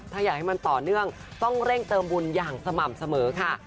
ถ้าอยากให้มันต่อเนื่องต้องเร่งเติมบุญอย่างสม่ำเสมอค่ะ